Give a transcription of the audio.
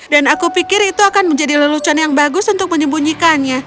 dan aku pikir itu akan menjadi lelucon yang bagus untuk menyembunyikannya